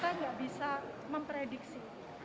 kita nggak bisa memprediksi